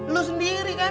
lo sendiri kan